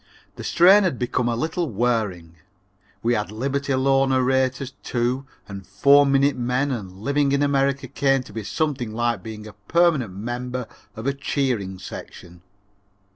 The strain had become a little wearing. We had Liberty Loan orators, too, and Four Minute men and living in America came to be something like being a permanent member of a cheering section.